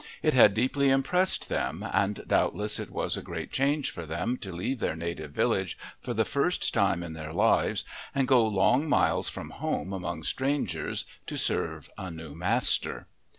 It had deeply impressed them, and doubtless it was a great change for them to leave their native village for the first time in their lives and go long miles from home among strangers to serve a new master.